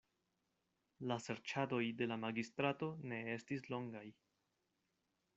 La serĉadoj de la magistrato ne estis longaj.